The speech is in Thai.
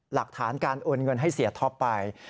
หลักฐานการโอนเงินให้เสียท็อปไป